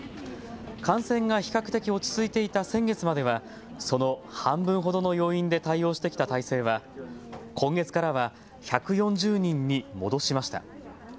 感染が比較的、落ち着いていた先月まではその半分ほどの要員で対応してきた体制は今月からは１４０人に戻しました。